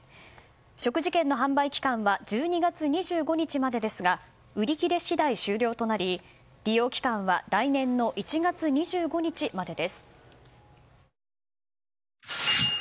食事券の販売期間は１２月２５日までですが売り切れ次第終了となり利用期間は来年の１月２５日までです。